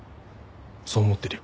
そう思ってるよ。